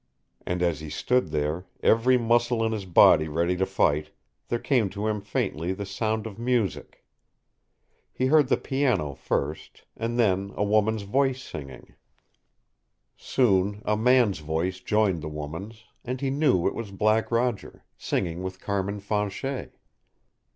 And as he stood there, every muscle in his body ready to fight, there came to him faintly the sound of music. He heard the piano first, and then a woman's voice singing. Soon a man's voice joined the woman's, and he knew it was Black Roger, singing with Carmin Fanchet.